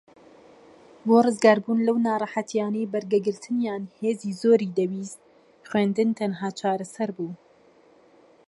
بۆ ڕزگاربوون لەو ناڕەحەتیانەی بەرگەگرتنیان هێزی زۆری دەویست خوێندن تەنھا چارەسەر بوو